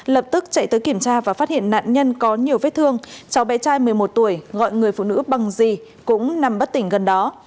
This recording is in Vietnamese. lập tức chạy tới kiểm tra và phát hiện nạn nhân có nhiều vết thương cháu bé trai một mươi một tuổi gọi người phụ nữ bằng gì cũng nằm bất tỉnh gần đó